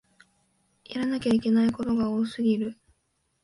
やらなきゃいけないことが多すぎる